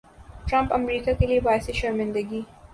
Trump امریکا کیلئے باعث شرمندگی